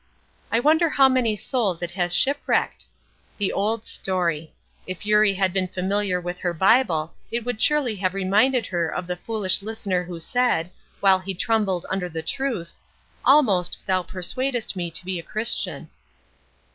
I wonder how many souls it has shipwrecked? The old story. If Eurie had been familiar with her Bible it would surely have reminded her of the foolish listener who said, while he trembled under the truth, "Almost thou persuadest me to be a Christian."